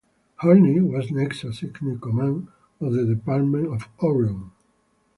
Harney was next assigned command of the Department of Oregon.